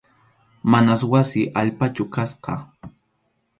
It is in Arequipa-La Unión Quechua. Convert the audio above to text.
Manas wasi allpachu kasqa.